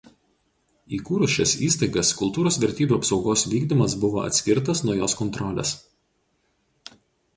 Įkūrus šias įstaigas kultūros vertybių apsaugos vykdymas buvo atskirtas nuo jos kontrolės.